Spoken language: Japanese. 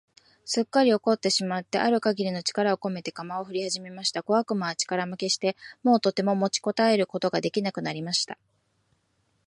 すっかり怒ってしまってある限りの力をこめて、鎌をふりはじました。小悪魔は力負けして、もうとても持ちこたえることが出来なくなりました。